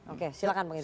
oke silakan bang irwan